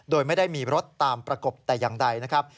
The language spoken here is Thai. โดยไม่ได้มีรถตามประกบแต่อย่างใดนะครับ